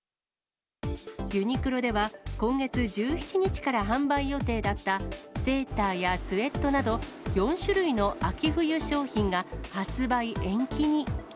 ユニクロでは今月１７日から販売予定だったセーターやスウェットなど、４種類の秋冬商品が、発売延期に。